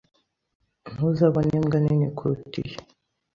Ntuzabona imbwa nini kuruta iyi. (erikspen)